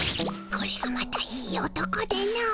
これがまたいい男での。